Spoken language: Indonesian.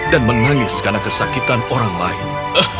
dan menangis karena kesakitan orang lain